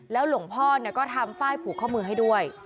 แล้วหลวงพ่อเนี่ยก็ทำไฟผูกข้อมือให้ด้วย